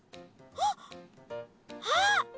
はっ！あっ！